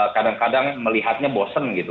kadang kadang melihatnya bosen gitu